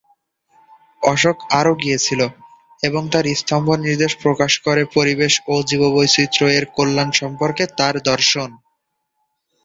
অশোক আরও গিয়েছিল, এবং তার স্তম্ভ নির্দেশ প্রকাশ করে পরিবেশ ও জীববৈচিত্র্য-এর কল্যাণ সম্পর্কে তার দর্শন।